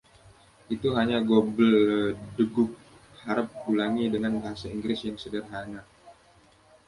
Itu hanya gobbledegook! Harap ulangi dengan bahasa Inggris yang sederhana